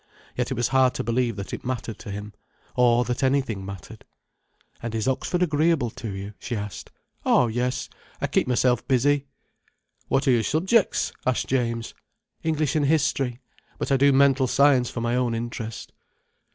Yet it was hard to believe that it mattered to him—or that anything mattered. "And is Oxford agreeable to you?" she asked. "Oh, yes. I keep myself busy." "What are your subjects?" asked James. "English and History. But I do mental science for my own interest."